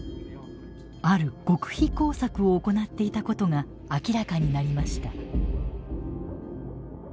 ある極秘工作を行っていたことが明らかになりました。